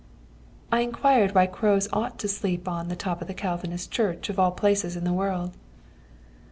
"I inquired why the crows ought to go to sleep on the top of the Calvinist church of all places in the world.